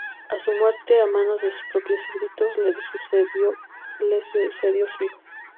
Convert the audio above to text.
A su muerte, a manos de sus propios súbditos, le sucedió su hijo.